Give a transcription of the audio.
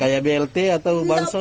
kayak blt atau bansos